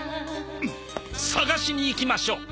捜しに行きましょう。